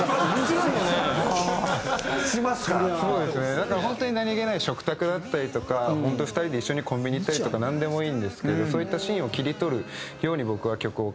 だからホントに何げない食卓だったりとかホント２人で一緒にコンビニ行ったりとかなんでもいいんですけどそういったシーンを切り取るように僕は曲を書いてるので。